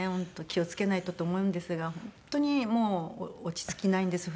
気を付けないとと思うんですが本当にもう落ち着きないんです